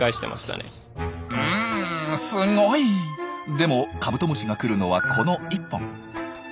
でもカブトムシが来るのはこの１本。